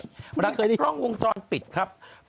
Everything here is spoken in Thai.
เวลาเคยได้คล่องวงจรปิดครับ